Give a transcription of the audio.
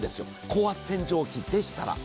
高圧洗浄機でしたら。